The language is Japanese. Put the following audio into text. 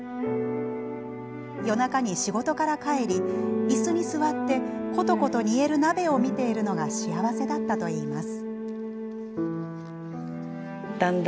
夜中に仕事から帰りいすに座ってコトコト煮える鍋を見ているのが幸せだったといいます。